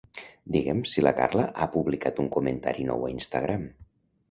Digue'm si la Carla ha publicat un comentari nou a Instagram.